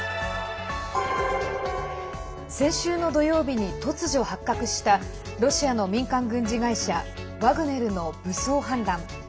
先週の土曜日に突如発覚したロシアの民間軍事会社ワグネルの武装反乱。